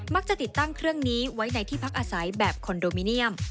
ติดตั้งเครื่องนี้ไว้ในที่พักอาศัยแบบคอนโดมิเนียม